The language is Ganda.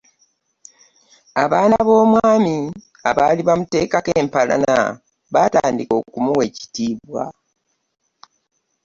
Abaana b’omwami abaali bamuteekako empalana baatandika okumuwa ekitiibwa.